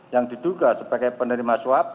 yang diduga sebagai penerima suap